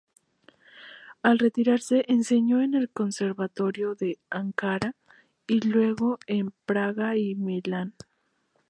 Al retirarse enseñó en el Conservatorio de Ankara, y luego en Praga y Milan.